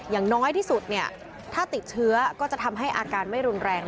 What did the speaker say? อย่างน้อยที่สุดถ้าติดเชื้อก็จะทำให้อาการไม่รุนแรง